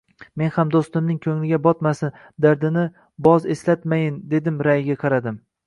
Men ham doʻstimning koʻngliga botmasin, dardini boz eslatmayin, dedim, raʼyiga qaradim.